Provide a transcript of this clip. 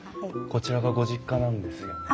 こちらがご実家なんですよね？